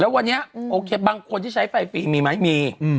แล้ววันนี้โอเคบางคนที่ใช้ไฟฟรีมีมั้ยมี